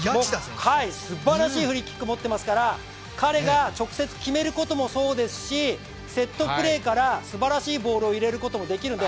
すばらしいフリーキック持っていますから彼が直接決めることもそうですしセットプレーからすばらしいボールを入れることもできるので。